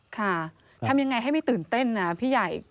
ค่ะทำยังไงให้ไม่ตื่นเต้นนะพี่ใหญ่